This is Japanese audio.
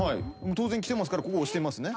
当然来てますからここ押してみますね。